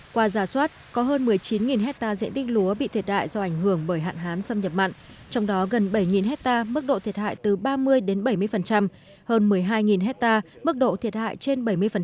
qua giả soát có hơn một mươi chín hectare diện tích lúa bị thiệt hại do ảnh hưởng bởi hạn hán xâm nhập mặn trong đó gần bảy hectare mức độ thiệt hại từ ba mươi đến bảy mươi hơn một mươi hai hectare mức độ thiệt hại trên bảy mươi